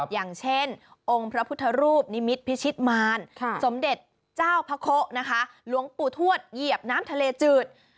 อย่างเช่นองค์พระพุทธรูปนิมิตรพิชิตมาลสมเด็จเจ้าพ๘๒ล้วงปู่ถวัตเยี๋ยบน้ำทะเลจืด